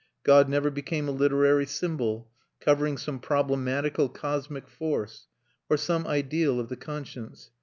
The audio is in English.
God never became a literary symbol, covering some problematical cosmic force, or some ideal of the conscience.